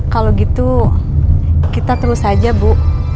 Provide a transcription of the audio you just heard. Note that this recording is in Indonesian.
kalau gitu kita terus saja bu